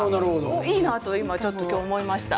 いいなとちょっと今日思いました。